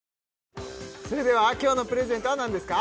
それでは今日のプレゼントは何ですか？